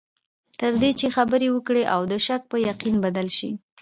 تر دې چې خبرې وکړې او د شک په یقین بدل شي.